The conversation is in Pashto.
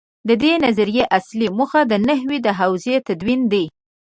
د دې نظریې اصلي موخه د نحوې د حوزې تدوین دی.